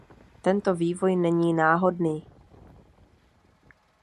Tento vývoj není náhodný.